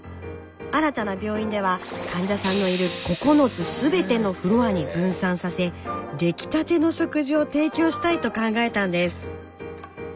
新たな病院では患者さんのいる９つすべてのフロアに分散させ出来たての食事を提供したいと考えたんです。